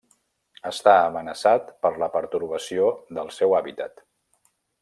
Està amenaçat per la pertorbació del seu hàbitat.